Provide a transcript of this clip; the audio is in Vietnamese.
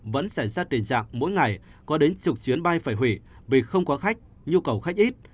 vẫn xảy ra tình trạng mỗi ngày có đến chục chuyến bay phải hủy vì không có khách nhu cầu khách ít